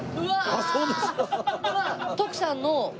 あっそうですか。